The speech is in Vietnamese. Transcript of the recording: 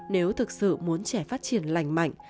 nếu thực sự muốn trẻ phát triển lành mạnh